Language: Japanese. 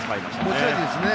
持ち味ですね。